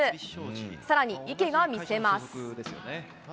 さらに池が見せます。